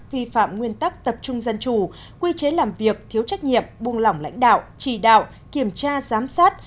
vi phạm nguyên tắc tập trung dân chủ quy chế làm việc thiếu trách nhiệm buông lỏng lãnh đạo chỉ đạo kiểm tra giám sát